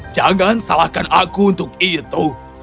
jangan salahkan aku untuk itu